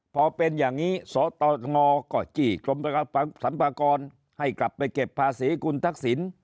พอเป็นอย่างนี้สตงก็จี้กรมสรรพากรให้กลับไปเก็บภาษีคุณทักษิณ